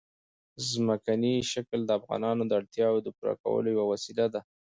ځمکنی شکل د افغانانو د اړتیاوو د پوره کولو یوه وسیله ده.